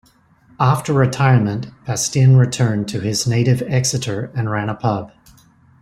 After retirement, Bastin returned to his native Exeter and ran a pub.